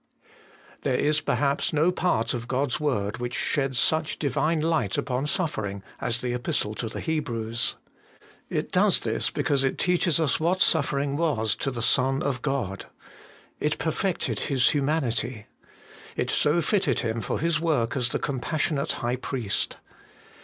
THERE is perhaps no part of God's word which sheds such Divine light upon suffering as the Epistle to the Hebrews. It does this because it teaches us what suffering was to the Son of God. It perfected His humanity. It so fitted Him for His work as the Compassionate High Priest.